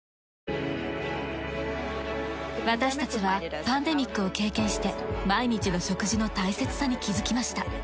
私たちはパンデミックを経験して毎日の食事の大切さに気づきました。